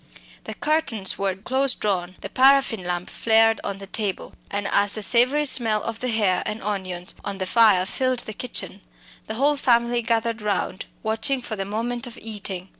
The curtains were close drawn; the paraffin lamp flared on the table, and as the savoury smell of the hare and onions on the fire filled the kitchen, the whole family gathered round watching for the moment of eating.